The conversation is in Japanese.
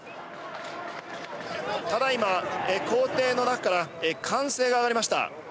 「ただいま公邸の中から歓声が上がりました。